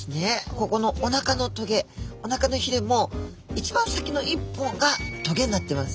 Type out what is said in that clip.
ここのおなかのひれも一番先の１本が棘になってます。